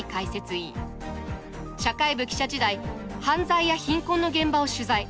社会部記者時代犯罪や貧困の現場を取材。